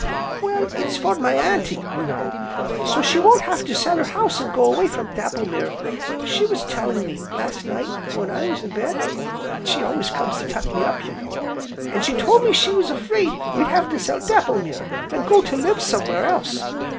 "Well, it's for my Auntie, you know, so she won't have to sell her house, an' go away from Dapplemere. She was telling me, last night, when I was in bed, she always comes to tuck me up, you know, an' she told me she was 'fraid we'd have to sell Dapplemere an' go to live somewhere else.